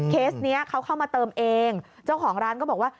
เคสนี้เขาเข้ามาเติมเองเจ้าของร้านก็บอกว่า